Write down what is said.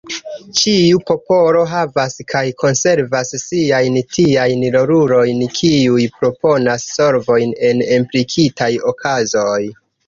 Ĉiu popolo havas kaj konservas siajn tiajn rolulojn kiuj proponas solvojn en implikitaj okazoj.